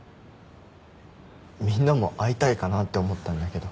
みんなも会いたいかなって思ったんだけど。